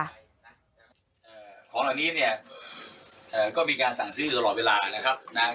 ของเหล่านี้เนี่ยเอ่อก็มีการสั่งซื้อตลอดเวลานะครับนะ